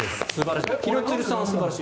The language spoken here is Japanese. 廣津留さんは素晴らしい。